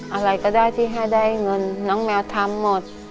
อะไรก็ได้ที่ให้ได้เงินน้องแมวทำหมด